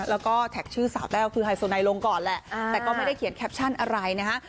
แล้วก็แท็กชื่อสาวแต้วคือไฮโซไนลงก่อนแหละแต่ก็ไม่ได้เขียนแคปชั่นอะไรนะฮะ